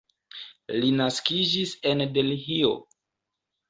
Li naskiĝis en Delhio.